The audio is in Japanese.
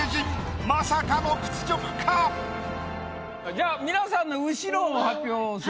じゃあ皆さんの後ろを発表するという。